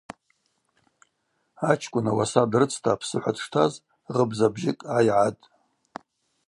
Ачкӏвынкӏ ауаса дрыцта апсыхӏва дштаз гъыбза бжьыкӏ гӏайагӏатӏ.